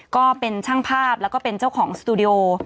ก็เป็นช่างภาพแล้วก็เป็นเจ้าของสตูดิโอ